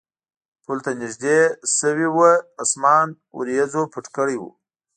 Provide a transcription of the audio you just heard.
پل ته نږدې شوي و، اسمان وریځو پټ کړی و.